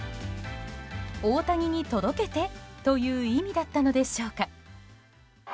大谷に届けてという意味だったのでしょうか。